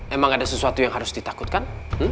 emang ada sesuatu yang harus ditakutkan